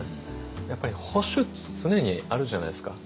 やっぱり保守って常にあるじゃないですか。